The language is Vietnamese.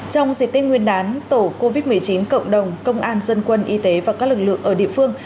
trong dịp tết nguyên đán tổ covid một mươi chín cộng đồng công an dân quân y tế và các lực lượng ở địa phương